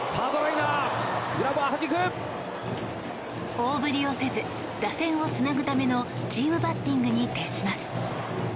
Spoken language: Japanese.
大振りをせず打線をつなぐためのチームバッティングに徹します。